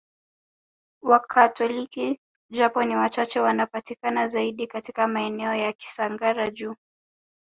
Wakatoliki japo ni wachache wanapatikana zaidi katika maeneo ya Kisangara juu